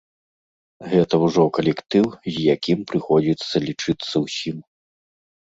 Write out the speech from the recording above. Гэта ўжо калектыў, з якім прыходзіцца лічыцца ўсім.